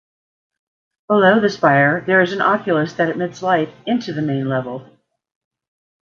Below the spire, there is an oculus that admits light into the main level.